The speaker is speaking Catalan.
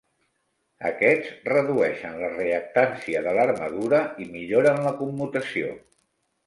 Aquests redueixen la reactància de l'armadura i milloren la commutació.